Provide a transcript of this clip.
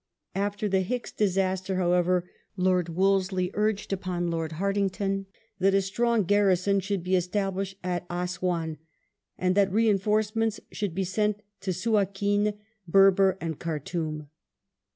After the Hicks disaster, however. Lord Wolseley urged upon Lord Hartington that a strong garrison should be established at Assouan, and that reinforcements should be sent to Suakim, Berber, and Khartoum.